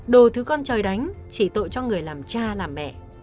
đồ thứ con trời đánh chỉ tội cho người làm cha làm mẹ